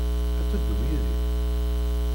Ad teddum yid-i?